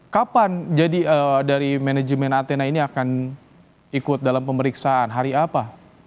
kapan jadi dari manajemen athena ini akan ikut dalam pemeriksaan hari apa